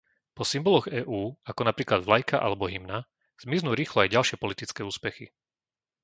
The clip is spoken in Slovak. Po symboloch EÚ, ako napríklad vlajka alebo hymna, zmiznú rýchlo aj ďalšie politické úspechy.